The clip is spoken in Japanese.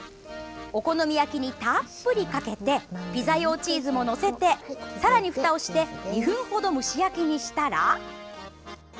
お好み焼きにたっぷりかけてピザ用チーズも載せてさらに、ふたをして２分程、蒸し焼きにしたら。